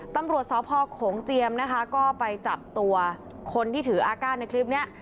ตำรวจสพโขงเจียมนะคะก็ไปจับตัวคนที่ถืออากาศในคลิปนี้